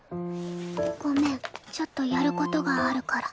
ごめんちょっとやることがあるから。